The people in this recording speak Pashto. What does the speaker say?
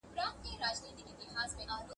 افغان هلکان د مدني اعتراضونو قانوني اجازه نه لري.